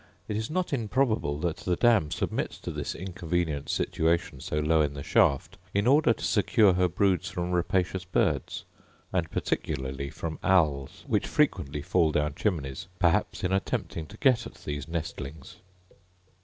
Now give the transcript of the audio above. It is not improbable that the dam submits to this inconvenient situation so low in the shaft, in order to secure her broods from rapacious birds, and particularly from owls, which frequently fall down chimneys, perhaps in attempting to get at these nestlings.